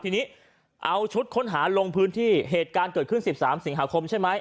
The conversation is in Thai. ทีนี้เอาชุดค้นหาลงพื้นที่เหตุการณ์เกิดขึ้น๑๓สิงหาคมใช่ไหม